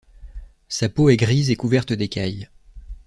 Sa peau est grise et couverte d'écailles.